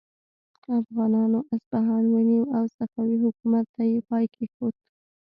افغانانو اصفهان ونیو او صفوي حکومت ته یې پای کیښود.